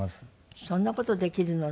そんな事できるのね。